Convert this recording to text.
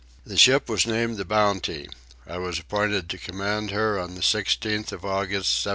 The ship was named the Bounty: I was appointed to command her on the 16th of August 1787.